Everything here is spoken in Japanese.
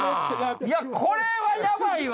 いやこれはやばいわ。